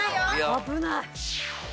危ない。